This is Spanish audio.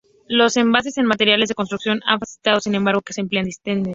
Los avances en materiales de construcción han facilitado sin embargo que se empleen dinteles.